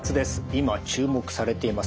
今注目されています